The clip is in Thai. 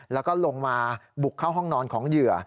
แล้วก็ลงมาบุกเข้าห้องนอนของเหยื่อ